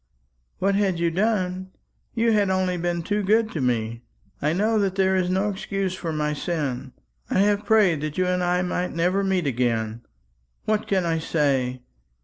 "What had you done! You had only been too good to me. I know that there is no excuse for my sin. I have prayed that you and I might never meet again. What can I say?